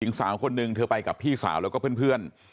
อีกสามคนหนึ่งเธอไปกับพี่สาวแล้วก็เพื่อนเพื่อน